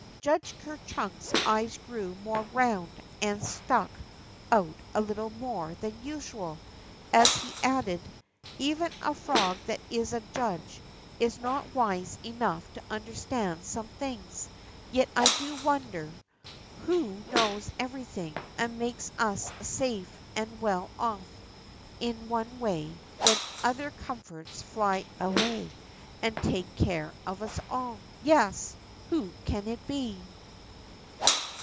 Judge Ker Chunk's eyes grew more round and stuck out a little more tlian usual, as he added : Even a frog that is a judge is not wise enough BOOM A ROOM'S RIDE 31 to linderstand some things, yet I do wonder Who knows everything, and makes ns safe and well off in one way when other comforts fly away, and takes care of ns all. Yes, Who can it be